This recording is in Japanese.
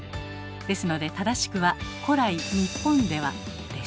ですので正しくは「古来日本では」です。